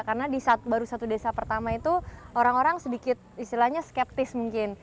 karena di baru satu desa pertama itu orang orang sedikit istilahnya skeptis mungkin